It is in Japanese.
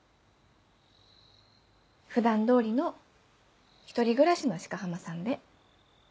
普段通りの１人暮らしの鹿浜さんで。